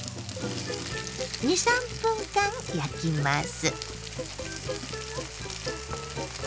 ２３分間焼きます。